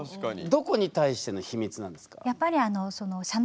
どこに対しての秘密なんですか？